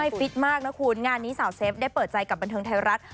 ฟิตมากนะคุณงานนี้สาวเซฟได้เปิดใจกับบันเทิงไทยรัฐ